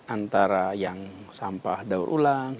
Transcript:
antara yang sampah daur ulang